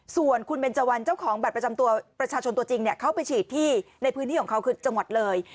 ส่วนคุณเบนเจวันเจ้าของบัตรประจำตัวประชาชนตัวจริงเข้าไปฉีดที่ในพื้นที่ของเขาคือจังหวัดเลย